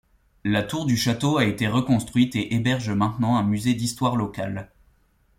La tour du château a été reconstruite et héberge maintenant un musée d'histoire locale.